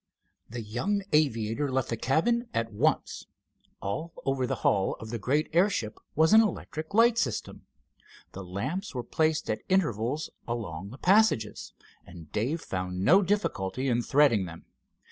The young aviator left the cabin at once. All over the hull of the great airship was an electric light system. The lamps were placed at intervals along the passages, and Dave found no difficulty in threading them.